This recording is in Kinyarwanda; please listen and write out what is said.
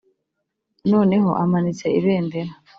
noneho amanitse ibendera